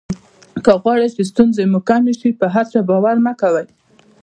که غواړی چې ستونزې مو کمې شي په هر چا باور مه کوئ.